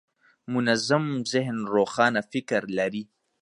منظم ذهن روښانه فکر لري.